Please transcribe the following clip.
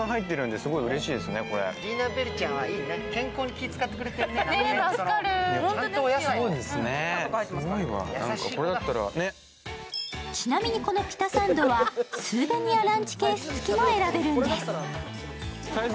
すごいわちなみにこのピタサンドはスーベニアランチケース付きも選べるんです